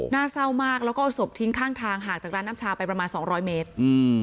เศร้ามากแล้วก็เอาศพทิ้งข้างทางห่างจากร้านน้ำชาไปประมาณสองร้อยเมตร